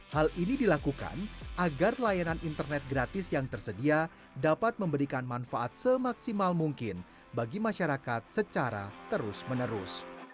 hal ini dilakukan agar layanan internet gratis yang tersedia dapat memberikan manfaat semaksimal mungkin bagi masyarakat secara terus menerus